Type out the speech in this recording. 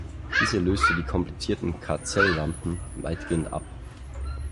Diese löste die komplizierten Carcel-Lampen weitgehend ab.